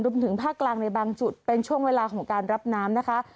ถึงภาคกลางในบางจุดเป็นช่วงเวลาของการรับน้ำนะคะ